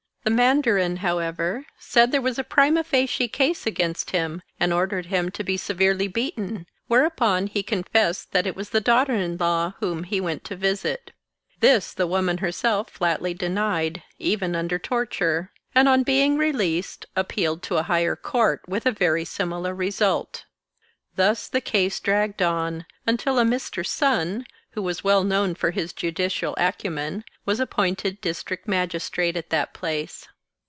The mandarin, however, said there was a prima fade case against him, and ordered him to be se verely beaten, whereupon he confessed that it was the daughter in law whom he went to visit. This the woman herself flatly denied, even under torture,; and on being re leased, appealed to a higher court, with a very similar result. Thus the case dragged on, until a Mr. Sun, who was well known for his judicial acumen, was appointed district mag istrate at that place.